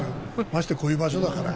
ましてやこういう場所だから。